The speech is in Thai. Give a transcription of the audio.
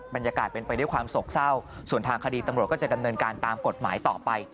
บรรยากาศเป็นไปด้วยความโศกเศร้าส่วนทางคดีตำรวจก็จะดำเนินการตามกฎหมายต่อไป